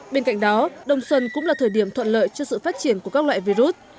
bên cạnh đó đông xuân cũng là thời điểm thuận lợi cho sự phát triển của các loại virus